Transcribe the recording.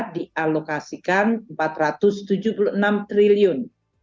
dialokasikan rp empat ratus tujuh puluh enam triliun